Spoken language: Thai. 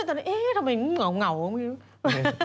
เอ๊ะตอนนี้เอ๊ะทำไมนี่เหงาไม่รู้